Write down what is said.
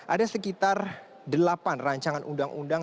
ada sekitar delapan rancangan undang undang